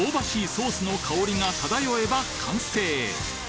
ソースの香りがただよえば完成